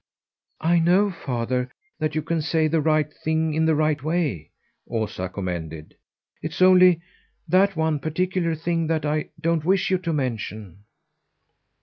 "I know, father, that you can say the right thing in the right way," Osa commended. "It is only that one particular thing that I don't wish you to mention."